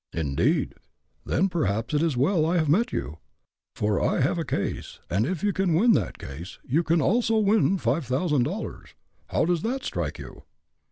"Indeed? Then perhaps it is well I have met you, for I have a case, and if you can win that case, you can also win five thousand dollars. How does that strike you?"